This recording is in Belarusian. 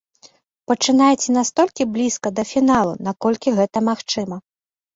Пачынайце настолькі блізка да фіналу, наколькі гэта магчыма.